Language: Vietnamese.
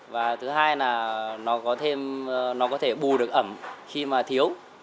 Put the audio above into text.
và thứ hai là nó có thêm nó có thể bù được ẩm khi mà thiếu